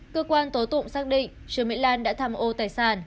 cơ quan tố tụng xác định trương mỹ lan đã tham ô tài sản